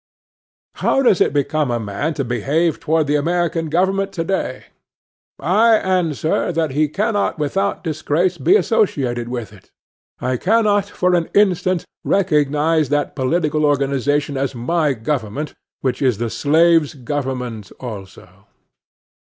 How does it become a man to behave toward the American government today? I answer that he cannot without disgrace be associated with it. I cannot for an instant recognize that political organization as my government which is the slave's government also.